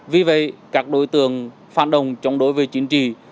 vì vậy các đối tượng phản động chống đối về chính trị